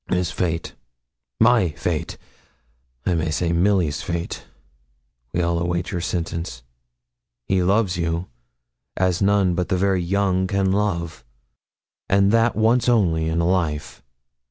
His fate my fate I may say Milly's fate; we all await your sentence. He loves you, as none but the very young can love, and that once only in a life.